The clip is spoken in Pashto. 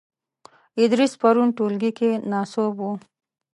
ادریس پرون ټولګې کې ناسوب وو .